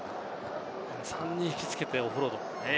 ３人引き付けてオフロード。